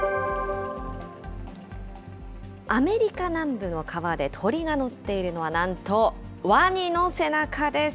アメリカ南部の川で鳥が乗っているのは、なんとワニの背中です。